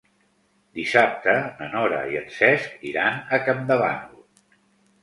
Dissabte na Nora i en Cesc iran a Campdevànol.